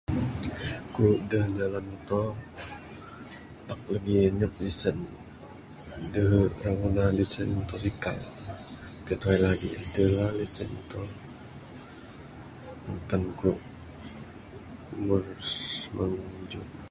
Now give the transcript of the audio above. Ku deh nyalan muto pak legi inyap lesen. Deh legi ira ngundah lesen mutosikal kai tuhai lagi adeh la lesen muto ngempan ku mbeh semeheng iju andu buran.